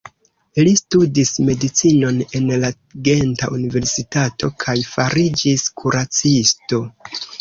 Li studis medicinon en la Genta Universitato kaj fariĝis kuracisto.